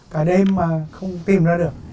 cả đêm mà không tìm ra được